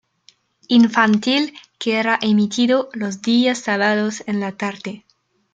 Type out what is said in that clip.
Infantil", que era emitido los días sábados en la tarde.